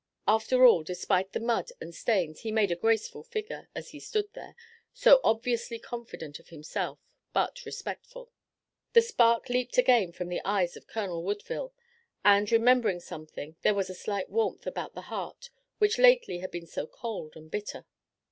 After all, despite the mud and stains, he made a graceful figure as he stood there, so obviously confident of himself, but respectful. The spark leaped again from the eyes of Colonel Woodville, and, remembering something, there was a slight warmth about the heart which lately had been so cold and bitter.